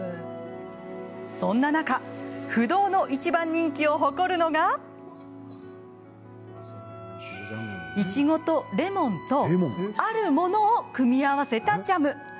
そんな中、不動の一番人気を誇るのがいちごとレモンとあるものを組み合わせたジャム。